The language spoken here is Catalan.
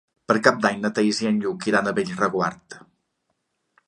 Per Cap d'Any na Thaís i en Lluc iran a Bellreguard.